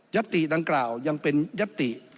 ติดังกล่าวยังเป็นยัตติ